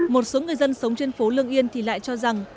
một số người dân sống trên phố lương yên thì lại cho rằng